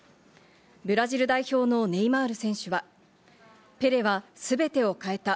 ブラジル代表のネイマール選手は、ペレは全てを変えた。